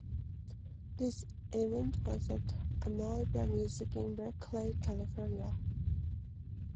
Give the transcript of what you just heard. This event was at Amoeba Music in Berkeley, California.